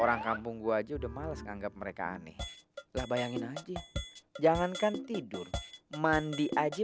orang kampung gua aja udah males nganggap mereka aneh lah bayangin aja jangankan tidur mandi aja